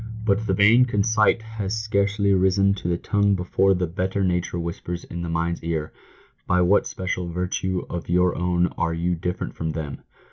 But the vain conceit has scarcely risen to the tongue before the better nature whispers in the mind's ear, " By what special virtue of your own are you different from them